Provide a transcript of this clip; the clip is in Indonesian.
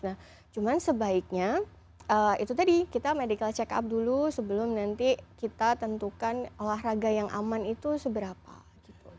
nah cuman sebaiknya itu tadi kita medical check up dulu sebelum nanti kita tentukan olahraga yang aman itu seberapa gitu